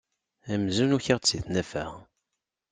Amzun ukiɣ-d si tnafa.